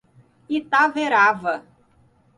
Itaverava